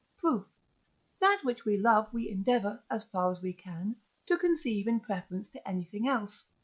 Proof. That which we love we endeavour, as far as we can, to conceive in preference to anything else (III.